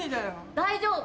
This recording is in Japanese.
大丈夫。